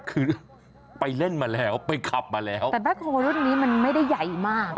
คือไปเล่นมาแล้วไปขับมาแล้วแต่แบ็คโฮรุ่นนี้มันไม่ได้ใหญ่มาก